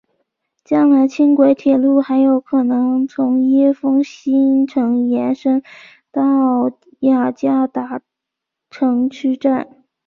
将来轻轨铁路还有可能从椰风新城延伸到雅加达城区站。